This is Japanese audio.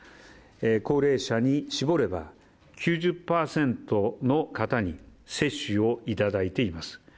高齢者に絞れば、９０％の方に接種をいただいています。